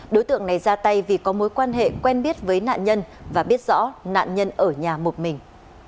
đối tượng này ra tay vì có mối quan hệ quen biết với nạn nhân và biết rõ nạn nhân ở nhà một mình